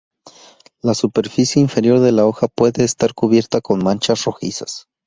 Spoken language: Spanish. La superficie inferior de la hoja puede estar cubierta con manchas rojizas.